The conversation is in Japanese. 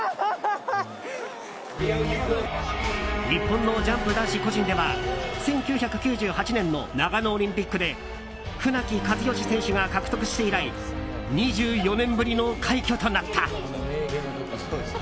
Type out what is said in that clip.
日本のジャンプ男子個人では１９９８年の長野オリンピックで船木和喜選手が獲得して以来２４年ぶりの快挙となった。